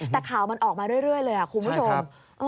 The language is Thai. แต่ข่าวมันออกมาเรื่อยเลยคุณผู้ชม